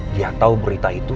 dia tau berita itu